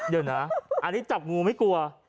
เดี๋ยวนะอันนี้จับงูไม่กลัว